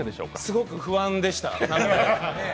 すごく不安でした。